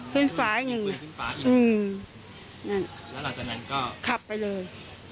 ขึ้นฝาอย่างงี้ขึ้นฝาอย่างงี้อืมนั่นแล้วหลังจากนั้นก็ขับไปเลย